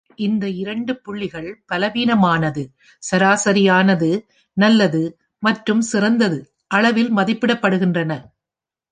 இந்த இரண்டு புள்ளிகள் "பலவீனமானது", "சராசரியானது", "நல்லது" மற்றும் "சிறந்தது" அளவில் மதிப்பிடப்படுகின்றன.